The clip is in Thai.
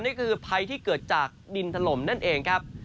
นี่คือภัยที่เกิดจากดินถล่มนั่นเองครับ